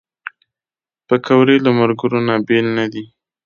پکورې له ملګرو نه بېل نه دي